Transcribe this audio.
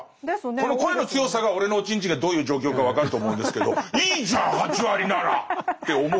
この声の強さが俺のおちんちんがどういう状況か分かると思うんですけどいいじゃん８割なら！って思うわけです。